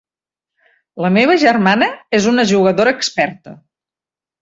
La meva germana és una jugadora experta.